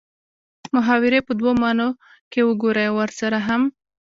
محاورې په دوو معنو کښې وګورئ او ورسره هم